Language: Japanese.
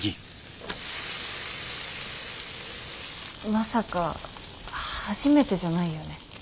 まさか初めてじゃないよね？